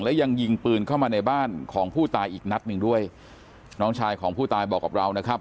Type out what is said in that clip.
และยังยิงปืนเข้ามาในบ้านของผู้ตายอีกนัดหนึ่งด้วยน้องชายของผู้ตายบอกกับเรานะครับ